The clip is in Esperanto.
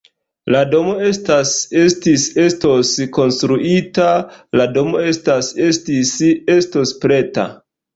La domo estas, estis, estos konstruita: la domo estas, estis, estos preta.